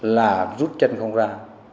là rút chân không ra